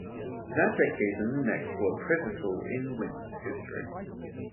That decade and the next were pivotal in Winder's history.